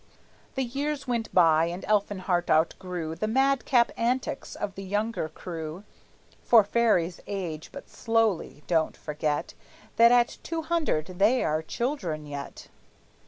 The years went by, and Elfinhart outgrew The madcap antics of the younger crew, (For fairies age but slowly: don't forget That at two hundred they are children yet!)